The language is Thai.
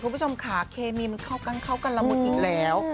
คุณผู้ชมค่ะเคมีมันเข้ากันละหมดอีกแล้ว